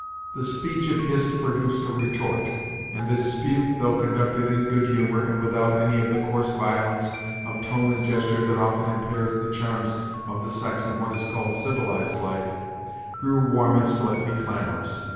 The speech of Hist produced a retort, and the dispute, though conducted in good humour, and without any of the coarse violence of tone and gesture that often impairs the charms of the sex in what is called civilized life, grew warm and slightly clamorous.